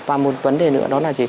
và một vấn đề nữa đó là gì